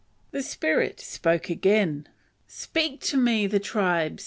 The spirit spoke again. "Speak to me, the tribe!